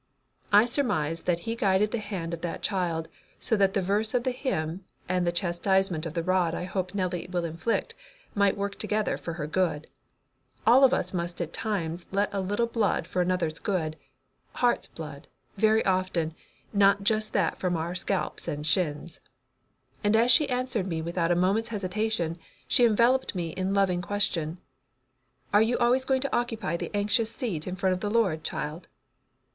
"I surmise that He guided the hand of that child so that the verse of the hymn, and the chastisement of the rod I hope Nellie will inflict, might work together for her good. All of us must at times let a little blood for another's good heart's blood, very often, not just that from our scalps or shins." And as she answered me without a moment's hesitation she enveloped me in loving question. "Are you always going to occupy the anxious seat in front of the Lord, child?